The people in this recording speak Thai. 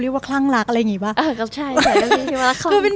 เรียกว่าคลั่งรักอะไรอย่างเงี้ยว่ะเออครับใช่คือเป็น